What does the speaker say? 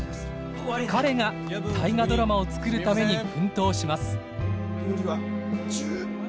彼が「大河ドラマ」を作るために奮闘します。